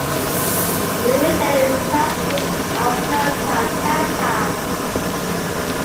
Bloomingdale is southeast of downtown Tampa.